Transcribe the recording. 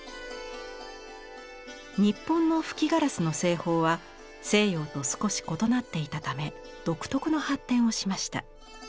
日本の吹きガラスの製法は西洋と少し異なっていたため独特の発展をしました。